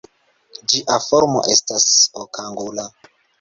Ĝia formo estas okangula.